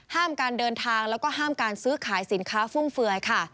ห้ามการเดินทางแล้วก็ห้ามการซื้อขายสินค้าฟุ่มเฟือยค่ะ